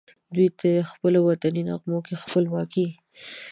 دوی ته یې پخپلو وطني نغمو کې د خپلواکۍ